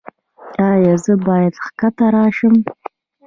ایا زه باید ښکته راشم؟